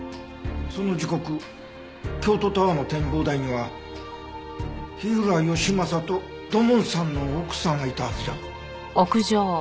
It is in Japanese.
その時刻京都タワーの展望台には火浦義正と土門さんの奥さんがいたはずじゃ。